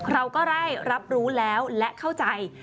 เราก็ได้รับรู้แล้วและเข้าใจ